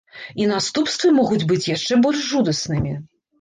І наступствы могуць быць яшчэ больш жудаснымі.